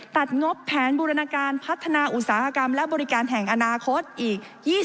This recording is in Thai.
งบแผนบูรณาการพัฒนาอุตสาหกรรมและบริการแห่งอนาคตอีก